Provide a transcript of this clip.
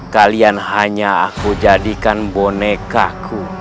kalian hanya aku jadikan bonekaku